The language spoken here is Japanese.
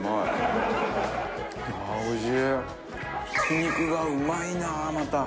ひき肉がうまいなまた。